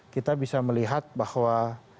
kita bisa melihat bahwa